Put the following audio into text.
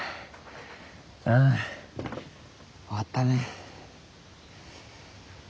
うん終わったね。